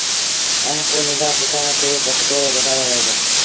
ائيٚݩ پو ننڍآݩ پُٽآݩ کي پٽڪو ٻڌآيو وهي دو